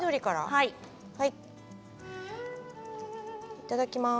いただきます。